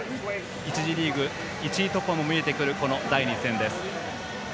１次リーグ１位突破も見えてくる第２戦です。